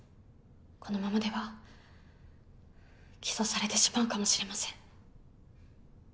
このままでは起訴されてしまうかもしれません。